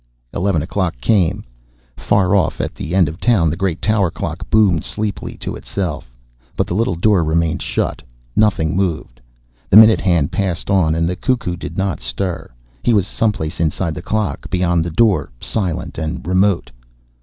Eleven o'clock came. Far off, at the end of town, the great tower clock boomed sleepily to itself. But the little door remained shut. Nothing moved. The minute hand passed on and the cuckoo did not stir. He was someplace inside the clock, beyond the door, silent and remote.